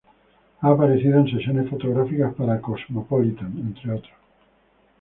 Ha aparecido en sesiones fotográficas para "Cosmopolitan", entre otros...